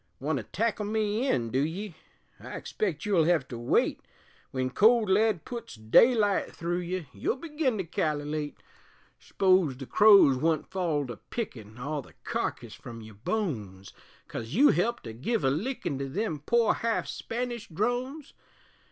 Want to tackle me in, du ye? I expect you'll hev to wait; Wen cold lead puts daylight thru ye You'll begin to kal'late; S'pose the crows wun't fall to pickin' All the carkiss from your bones, Coz you helped to give a lickin' To them poor half Spanish drones?